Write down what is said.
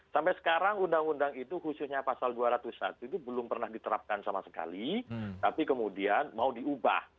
sampai sekarang undang undang itu khususnya pasal dua ratus satu itu belum pernah diterapkan sama sekali tapi kemudian mau diubah